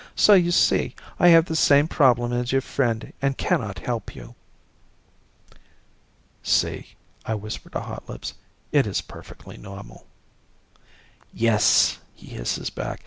"So you see I have the same problem as your friend and cannot help you." "See," I whisper to Hotlips, "it is perfectly normal." "Yes," he hisses back.